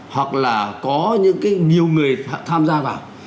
hoặc là có những cái nhiều người tham gia vào